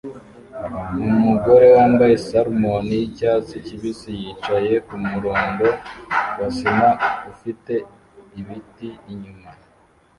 Umugore wambaye salmon nicyatsi kibisi cyicaye kumurongo wa sima ufite ibiti inyuma